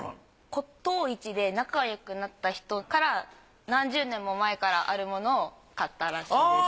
骨董市で仲よくなった人から何十年も前からあるものを買ったらしいです。